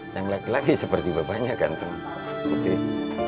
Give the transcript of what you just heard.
yang laki laki seperti bapaknya ganteng putri